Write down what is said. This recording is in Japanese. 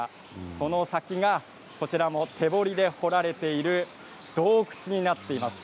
その先がこちらの手掘りで掘られている洞窟になっています。